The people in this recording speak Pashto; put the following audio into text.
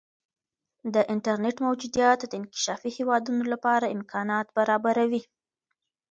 د انټرنیټ موجودیت د انکشافي هیوادونو لپاره امکانات برابروي.